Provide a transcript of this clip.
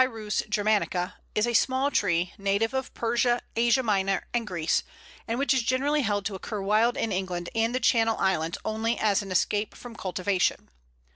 ]The Medlar (Pyrus germanica) is a small tree, native of Persia, Asia Minor, and Greece, and which is generally held to occur wild in England and the Channel Islands only as an escape from cultivation.